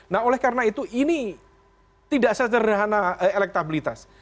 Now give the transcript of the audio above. nah oleh karena itu ini tidak secara sederhana elektabilitas